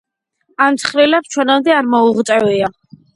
ამ ცხრილებს ჩვენამდე არ მოუღწევია.